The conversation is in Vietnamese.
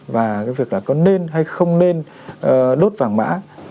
và việc có nên hay không nên đốt vàng mã